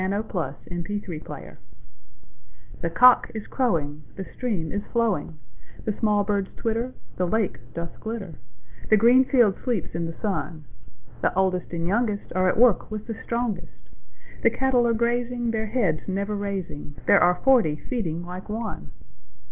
William Wordsworth Written in March THE cock is crowing, The stream is flowing, The small birds twitter, The lake doth glitter The green field sleeps in the sun; The oldest and youngest Are at work with the strongest; The cattle are grazing, Their heads never raising; There are forty feeding like one!